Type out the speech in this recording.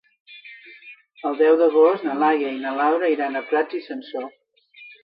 El deu d'agost na Laia i na Laura iran a Prats i Sansor.